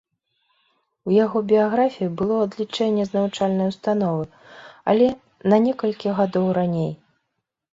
У яго біяграфіі было адлічэнне з навучальнай установы, але на некалькі гадоў раней.